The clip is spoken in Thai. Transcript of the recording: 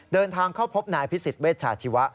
เดินทางเข้าพบนายพิสิทธิเวชชาชีวะ